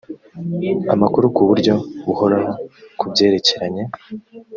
amakuru ku buryo buhoraho ku byerekeranye